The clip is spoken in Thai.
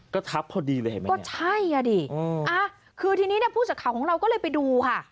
ก็ทับพอดีเลยเห็นไหมเนี่ยก็ใช่อ่ะดิคือทีนี้พูดจากข่าวของเราก็เลยไปดูค่ะ